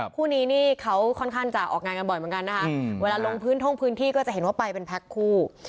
คู่นี้นี่เขาค่อนข้างจะออกงานกันบ่อยเหมือนกันนะคะเวลาลงพื้นท่องพื้นที่ก็จะเห็นว่าไปเป็นแพ็คคู่